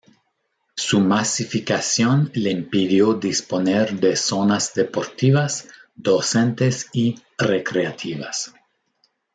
Su masificación le impidió disponer de zonas deportivas, docentes y recreativas.